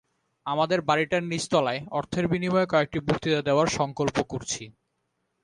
আমাদের বাড়ীটার নীচ তলায় অর্থের বিনিময়ে কয়েকটি বক্তৃতা দেবার সঙ্কল্প করছি।